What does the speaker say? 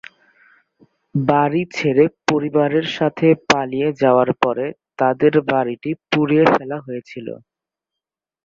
বাড়ি ছেড়ে পরিবারের সাথে পালিয়ে যাওয়ার পরে তাদের বাড়িটি পুড়িয়ে ফেলা হয়েছিল।